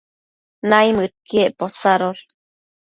naimëdquiec posadosh